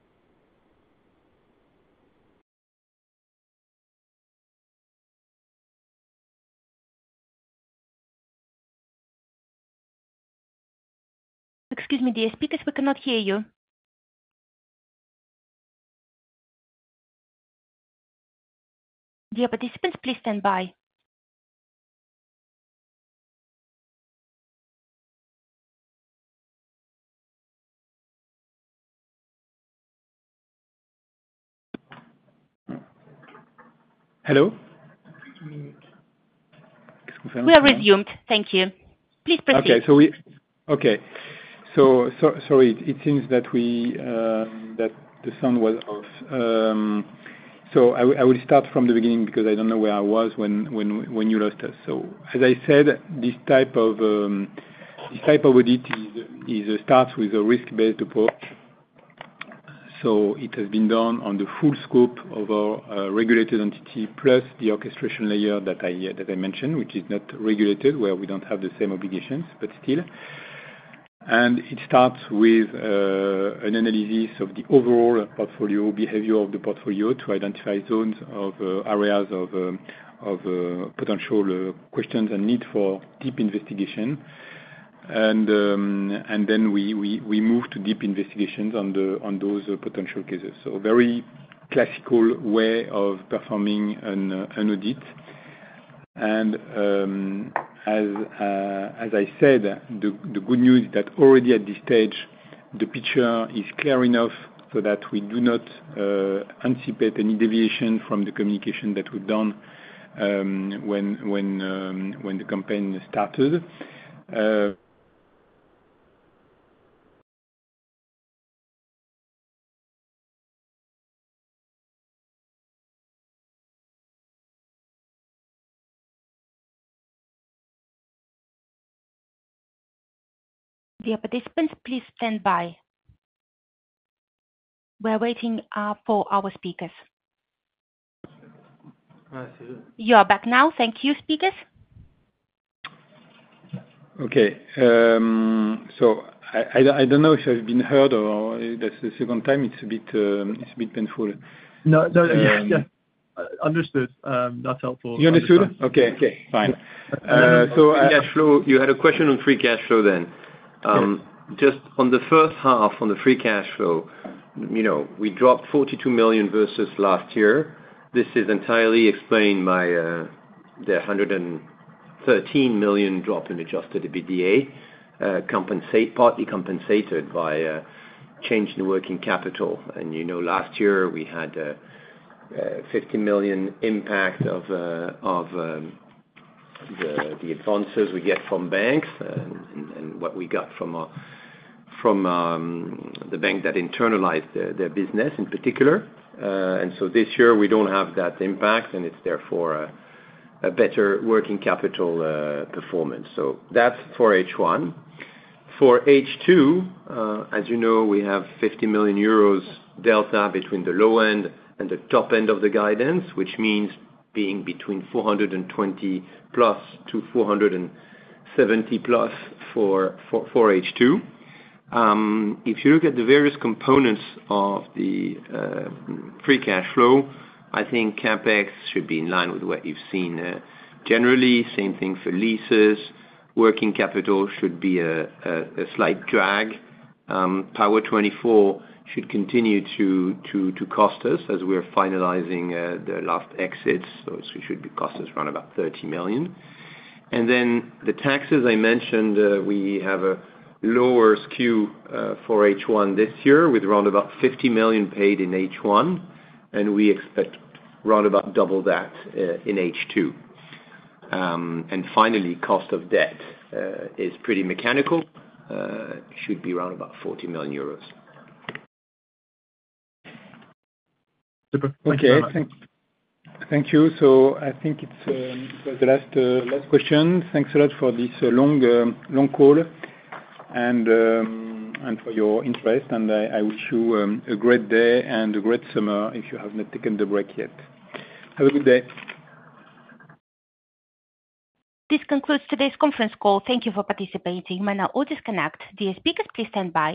Excuse me, dear speakers, we cannot hear you. Dear participants, please stand by. Hello? We're resumed. Thank you. Please proceed. Okay. Sorry, it seems that the sound was off. I will start from the beginning because I don't know where I was when you lost us. As I said, this type of audit starts with a risk-based approach. It has been done on the full scope of our regulated entity, plus the orchestration layer that I mentioned, which is not regulated, where we don't have the same obligations, but still. It starts with an analysis of the overall portfolio, behavior of the portfolio, to identify zones of areas of potential questions and need for deep investigation. We move to deep investigations on those potential cases. A very classical way of performing an audit. As I said, the good news is that already at this stage, the picture is clear enough so that we do not anticipate any deviation from the communication that we've done when the campaign started. Participants, please stand by. We're waiting for our speakers. You are back now. Thank you, speakers. Okay. I don't know if you've been heard or that's the second time. It's a bit, it's a bit painful. Yeah, that's helpful. You understood? Okay. Yeah. Okay, fine. Free cash flow. You had a question on free cash flow then. Mm-hmm. Just on the first half on the free cash flow, we dropped 42 million versus last year. This is entirely explained by the 113 million drop in adjusted EBITDA, partly compensated by change in working capital. Last year, we had a 50 million impact of the advances we get from banks and what we got from the bank that internalized their business in particular. This year, we don't have that impact, and it's therefore a better working capital performance. That's for H1. For H2, as you know, we have a 50 million euros delta between the low end and the top end of the guidance, which means being between 420 million plus to 470 million plus for H2. If you look at the various components of the free cash flow, I think CapEx should be in line with what you've seen generally. Same thing for leases. Working capital should be a slight drag. Power24 should continue to cost us as we're finalizing the last exits. It should cost us around 30 million. The taxes I mentioned, we have a lower skew for H1 this year with around 50 million paid in H1, and we expect around double that in H2. Finally, cost of debt is pretty mechanical, should be around 40 million euros. Super. Okay. Thank you. I think it's the last question. Thanks a lot for this long call and for your interest. I wish you a great day and a great summer if you have not taken the break yet. Have a good day. This concludes today's conference call. Thank you for participating. We're now all disconnected. The speakers, please stand by.